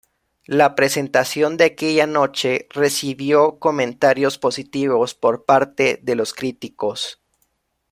La presentación de aquella noche recibió comentarios positivos por parte de los críticos.